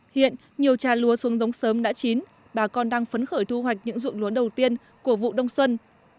hiện nhiều trà lúa xuống giống sớm đã chín bà con đang phấn khởi thu hoạch những ruộng lúa đầu tiên của vụ đông xuân